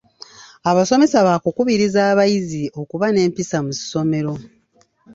Abasomesa baakukubiriza abayizi okuba n'empisa mu ssomero.